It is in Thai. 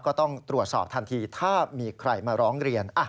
ก็ต้องตรวจสอบทันทีถ้ามีใครมาร้องเรียน